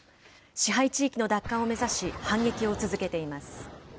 支配地域の奪還を目指し、反撃を続けています。